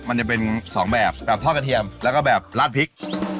มันจะเป็น๒แบบแบบทอดกระเทียมแล้วก็แบบลาดพริก